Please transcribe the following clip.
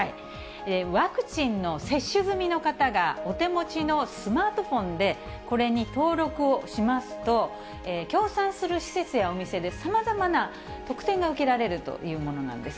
ワクチンの接種済みの方が、お手持ちのスマートフォンでこれに登録をしますと、協賛する施設やお店で、さまざまな特典が受けられるというものなんです。